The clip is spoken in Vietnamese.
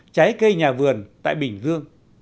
trái cây nhà vườn tại bình dương